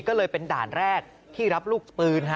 ก็เลยเป็นด่านแรกที่รับลูกปืน